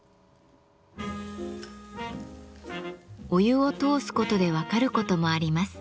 お湯を通すことで分かることもあります。